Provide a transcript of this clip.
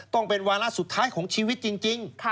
ต้องเป็นวาระสุดท้ายของชีวิตจริง